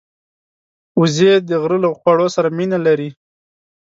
وزې د غره له خواړو سره مینه لري